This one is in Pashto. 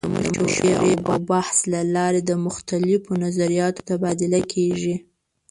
د مشورې او بحث له لارې د مختلفو نظریاتو تبادله کیږي.